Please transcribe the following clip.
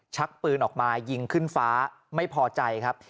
ชักปืนออกมายิงขึ้นฟ้าไม่พอใจครับ